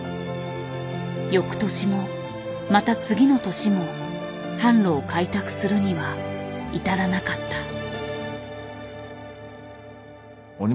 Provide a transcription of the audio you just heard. よくとしもまた次の年も販路を開拓するには至らなかった。